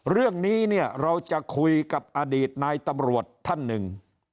เรื่องนี้เนี่ยเราจะคุยกับอดีตนายตำรวจท่านหนึ่ง